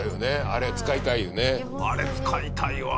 あれ使いたいわ！